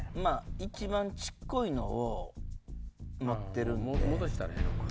一番小っこいのを持ってるんで。